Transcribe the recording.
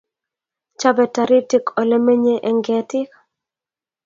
Chobe taritik olemenye eng ketik